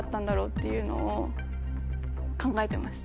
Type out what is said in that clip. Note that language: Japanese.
っていうのを考えてます。